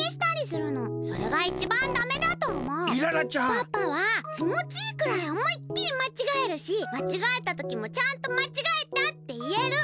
パパはきもちいいくらいおもいっきりまちがえるしまちがえたときもちゃんとまちがえたっていえる。